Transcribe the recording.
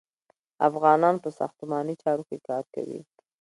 افغانان په ساختماني چارو کې کار کوي.